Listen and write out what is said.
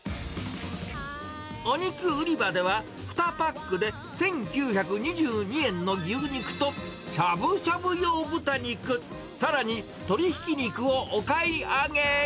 お肉売り場では、２パックで１９２２円の牛肉としゃぶしゃぶ用豚肉、さらに鶏ひき肉をお買い上げ。